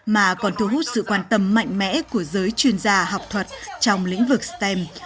mà còn thu hút sự quan tâm mạnh mẽ của giới chuyên gia học thuật trong lĩnh vực stem